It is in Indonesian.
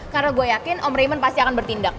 karena gue yakin om raymond pasti akan bertindak